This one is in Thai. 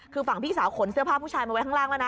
คือฝั่งพี่สาวขนเสื้อผ้าผู้ชายมาไว้ข้างล่างแล้วนะ